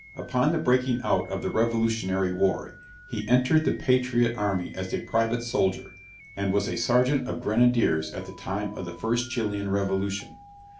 Upon the breaking out of the revolutionary war, he entered the patriot army as a private soldier; and was a serjeant of grenadiers at the time of the first Chilian revolution.